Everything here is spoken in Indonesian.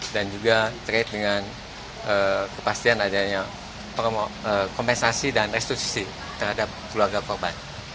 dan juga terkait dengan kepastian adanya kompensasi dan restitusi terhadap keluarga korban